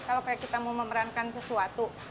kalau kayak kita mau memerankan sesuatu